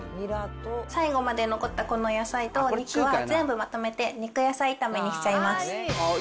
最後まで残ったこの野菜とお肉は、全部まとめて肉野菜炒めにしちゃいます。